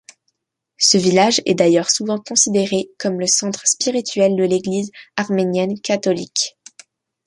Ce village est d'ailleurs souvent considéré comme le centre spirituel de l'Église arménienne catholique.